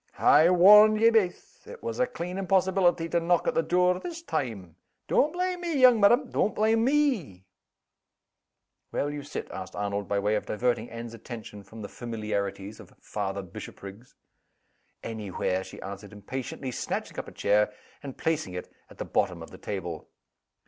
"I warned ye baith, it was a clean impossibility to knock at the door this time. Don't blame me, young madam don't blame me!" "Where will you sit?" asked Arnold, by way of diverting Anne's attention from the familiarities of Father Bishopriggs. "Any where!" she answered, impatiently; snatching up a chair, and placing it at the bottom of the table.